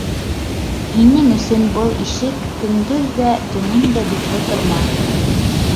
— Һинең өсөн был ишек көндөҙ ҙә, төнөн дә бикле тормаҫ.